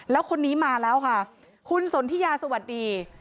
แล้วคนนี้มาแล้วค่ะคุณสนทิยาสวัสดี